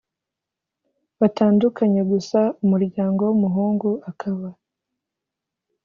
batandukanye gsa umuryango w’umuhungu akaba